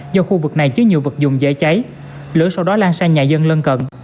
do khu vực này chứa nhiều vật dụng dễ cháy lửa sau đó lan sang nhà dân lân cận